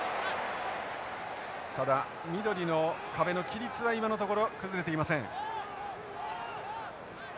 ただ緑の壁の規律は今のところ崩れていません。